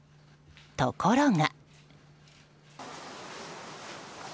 ところが。